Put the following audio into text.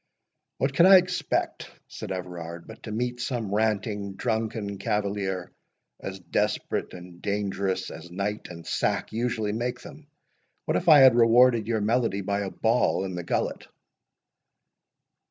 "What could I expect," said Everard, "but to meet some ranting, drunken cavalier, as desperate and dangerous as night and sack usually make them? What if I had rewarded your melody by a ball in the gullet?"